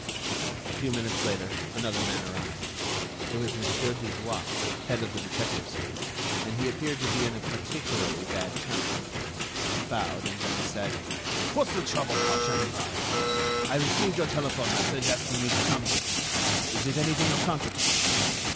A few minutes later, another man arrived. It was Mon. Dudouis, head of the detective service, and he appeared to be in a particularly bad temper. He bowed, and then said: "What's the trouble now, Ganimard? I received your telephone message asking me to come here. Is it anything of consequence?"